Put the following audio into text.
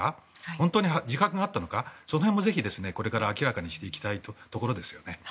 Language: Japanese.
本当に自覚があったのかその辺も明らかにしていきたいところですよね。